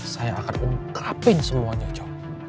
saya akan ungkapin semuanya job